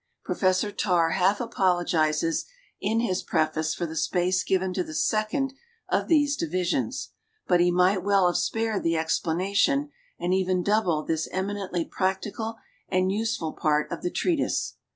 Professor Tarr half apologizes in his preface for the space given to the second of these divisions ; but he might well have spared the expla nation and even doubled this eminently practical and useful part of the treatise.